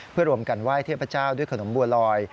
เพื่อรวมกันไหว้เทพเจ้าด้วยขนมบัวลอย